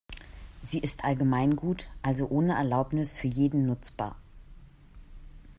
Sie ist Allgemeingut, also ohne Erlaubnis für jeden nutzbar.